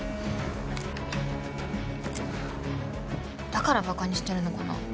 だから馬鹿にしてるのかな？